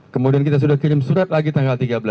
kemudian kita sudah kirim lagi surat tanggal tiga belas